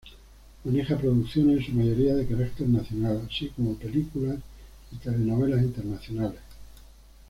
Maneja producciones en su mayoría de carácter nacional, así como películas y telenovelas internacionales.